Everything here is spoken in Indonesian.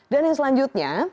dan yang selanjutnya